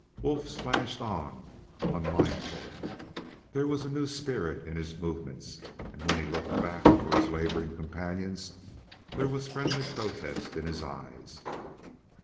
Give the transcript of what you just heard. Wolf splashed on unmindful; there was a new spirit in his movements; and when he looked back for his laboring companions there was friendly protest in his eyes.